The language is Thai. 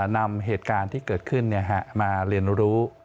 นำเหตุการณ์ที่เกิดขึ้นมาเรียนรู้